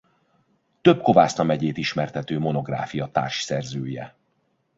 Több Kovászna megyét ismertető monográfia társszerzője.